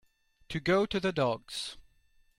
To go to the dogs.